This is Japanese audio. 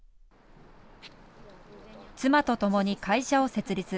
妻とともに会社を設立。